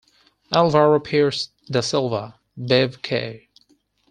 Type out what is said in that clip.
Alvaro Pires da Silva, Bev Kay.